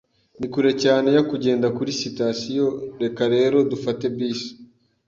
Ni kure cyane yo kugenda kuri sitasiyo, reka rero dufate bus.